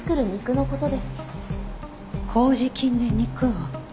麹菌で肉を？